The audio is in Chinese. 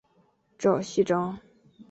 赵锡章。